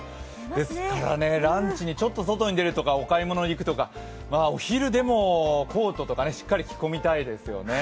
ですからランチにちょっと外に出るとかお買い物に行くとか、お昼でもコートとかしっかり着込みたいですよね。